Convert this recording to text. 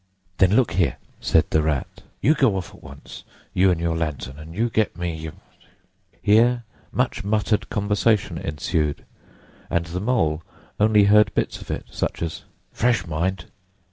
"Then look here!" said the Rat. "You go off at once, you and your lantern, and you get me——" Here much muttered conversation ensued, and the Mole only heard bits of it, such as—"Fresh, mind!